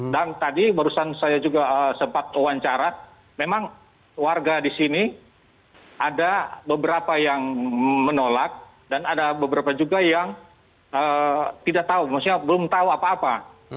dan tadi barusan saya juga sempat wawancara memang warga di sini ada beberapa yang menolak dan ada beberapa juga yang tidak tahu maksudnya belum tahu apa apa